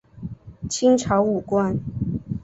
清朝武官。